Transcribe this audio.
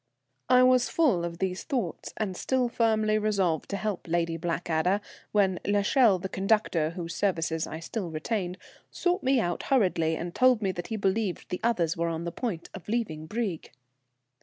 I was full of these thoughts, and still firmly resolved to help Lady Blackadder, when l'Echelle, the conductor whose services I still retained, sought me out hurriedly, and told me that he believed the others were on the point of leaving Brieg.